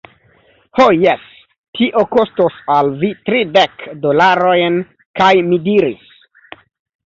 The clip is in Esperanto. Ho jes, tio kostos al vi tridek dolarojn. kaj mi diris: